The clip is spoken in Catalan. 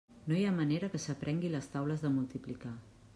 No hi ha manera que s'aprengui les taules de multiplicar.